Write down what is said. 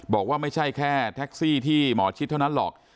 บอกว่าไม่ใช่แค่แท็กซี่ที่หมอชิดเท่านั้นหรอก